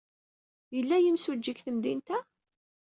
Yella yimsujji deg temdint-a?